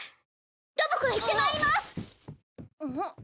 ロボ子が行ってまいります！